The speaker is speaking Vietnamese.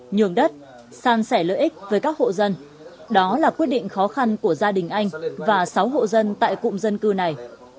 nhường đất san sẻ lợi ích với các hộ dân đó là quyết định khó khăn của gia đình anh và sáu hộ dân tại cụm dân cư này